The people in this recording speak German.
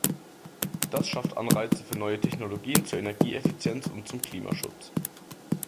Das schafft Anreize für neue Technologien zur Energieeffizienz und zum Klimaschutz.